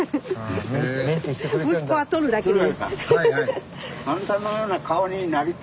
息子は取るだけで。